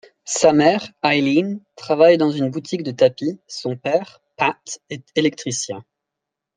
Sa mère, Eileen, travaille dans une boutique de tapis, son père, Pat, est électricien.